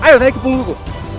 ayo naik ke punggungku